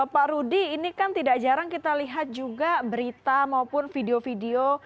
pak rudy ini kan tidak jarang kita lihat juga berita maupun video video